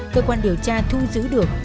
cơ quan điều tra thu giữ được